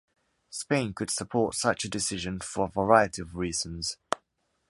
Spain could support such a decision for a variety of reasons.